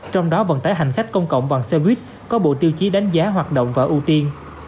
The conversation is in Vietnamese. trong đó vận tải hành khách công cộng bằng xe buýt có bộ tiêu chí đánh giá hoạt động và ưu tiên